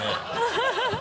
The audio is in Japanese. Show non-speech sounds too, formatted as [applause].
ハハハ [laughs]